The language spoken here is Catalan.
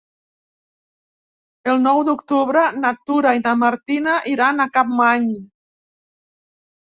El nou d'octubre na Tura i na Martina iran a Capmany.